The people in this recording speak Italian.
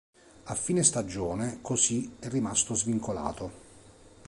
A fine stagione, così, è rimasto svincolato.